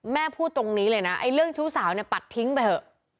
แม่พูดตรงนี้เลยนะไอ้เรื่องชู้สาวเนี่ยปัดทิ้งไปเถอะ